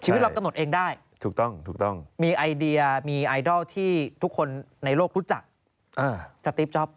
ชีวิตเราตะหนดเองได้มีไอเดียมีไอดอลที่ทุกคนในโลกรู้จักสตีฟจ๊อป